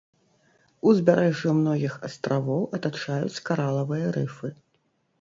Узбярэжжа многіх астравоў атачаюць каралавыя рыфы.